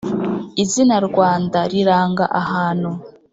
izina "rwanda" riranga ahantu